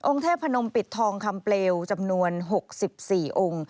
เทพนมปิดทองคำเปลวจำนวน๖๔องค์